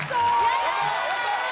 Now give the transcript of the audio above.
やったー！